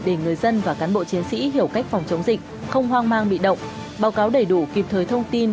để người dân và cán bộ chiến sĩ hiểu cách phòng chống dịch không hoang mang bị động báo cáo đầy đủ kịp thời thông tin